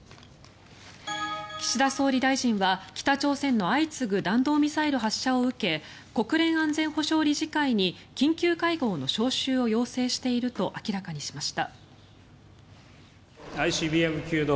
岸田総理大臣は、北朝鮮の相次ぐ弾道ミサイル発射を受け国連安全保障理事会に緊急会合の招集を要請していると明らかにしました。